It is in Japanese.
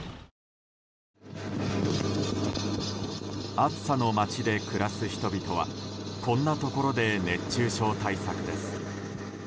暑さの町で暮らす人々はこんなところで熱中症対策です。